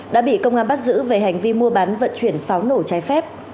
đã bị công an bắt giữ về hành vi mua bán vận chuyển pháo nổ trái phép